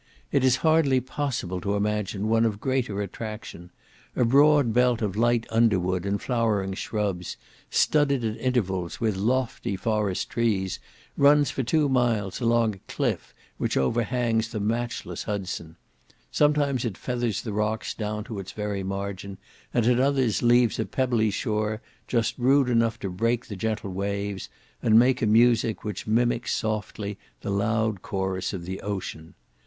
It is hardly possible to imagine one of greater attraction; a broad belt of light underwood and flowering shrubs, studded at intervals with lofty forest trees, runs for two miles along a cliff which overhangs the matchless Hudson; sometimes it feathers the rocks down to its very margin, and at others leaves a pebbly shore, just rude enough to break the gentle waves, and make a music which mimics softly the loud chorus of the ocean.